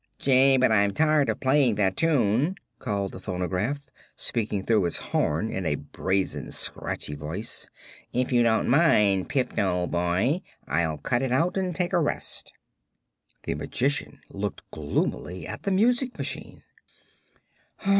"Gee! but I'm tired playing that tune," called the phonograph, speaking through its horn in a brazen, scratchy voice. "If you don't mind, Pipt, old boy, I'll cut it out and take a rest." The Magician looked gloomily at the music machine.